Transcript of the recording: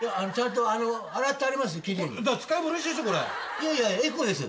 いやいやエコです。